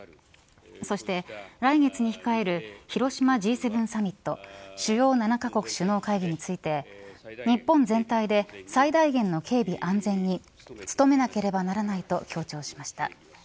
そして、来月に控える広島Ｇ７サミット主要７カ国首脳会議について日本全体で最大限の警備安全に努めなければならないと強調しました。